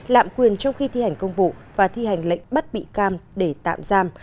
lạm quyền trong khi thi hành công vụ và thi hành lệnh bắt bị can để tạm giam